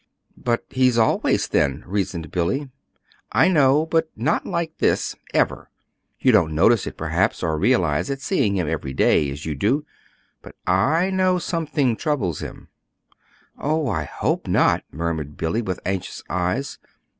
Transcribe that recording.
"But he's always thin," reasoned Billy. "I know, but not like this ever. You don't notice it, perhaps, or realize it, seeing him every day as you do. But I know something troubles him." "Oh, I hope not," murmured Billy, with anxious eyes.